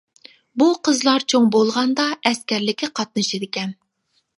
بۇ قىزلار چوڭ بولغاندا ئەسكەرلىككە قاتنىشىدىكەن.